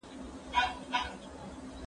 زه پرون تمرين وکړل!.